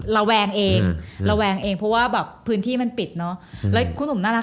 เลวร้างเองเพราะว่าแบบพื้นที่มันปิดเนอะ